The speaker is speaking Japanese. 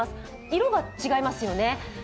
色が違いますよね。